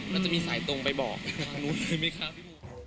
มันจะมีสายตรงไปบอกนู้นใช่ไหมคะพี่โม